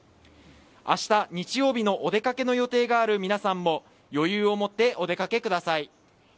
明日、日曜日のお出かけの予定がある皆さんも余裕を持ってお出かけください。